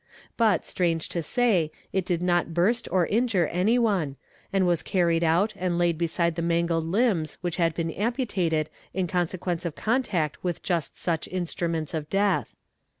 But strange to say, it did not burst or injure any one, and was carried out and laid beside the mangled limbs which had been amputated in consequence of contact with just such instruments of death.